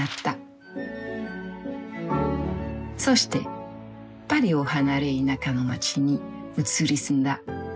そしてパリを離れ田舎の街に移り住んだ。